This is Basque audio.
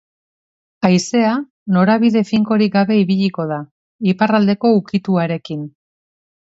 Haizea norabide finkorik gabe ibiliko da, iparraldeko ukituarekin.